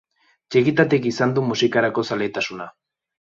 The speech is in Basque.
Txikitatik izan du musikarako zaletasuna.